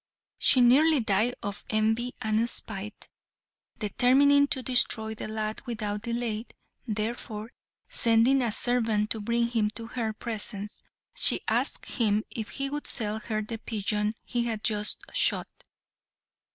She nearly died of envy and spite, determining to destroy the lad without delay; therefore, sending a servant to bring him to her presence, she asked him if he would sell her the pigeon he had just shot.